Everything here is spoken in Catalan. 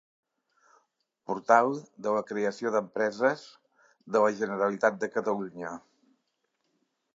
Portal de la creació d'empreses de la Generalitat de Catalunya.